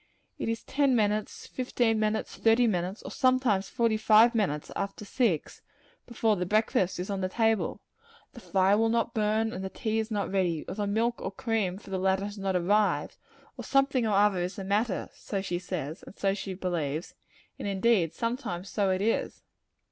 It is ten minutes, fifteen minutes, thirty minutes, and sometimes forty five minutes after six, before the breakfast is on the table. The fire will not burn, and the tea is not ready; or the milk or cream for the latter has not arrived; or something or other is the matter so she says, and so she believes and indeed sometimes so it is.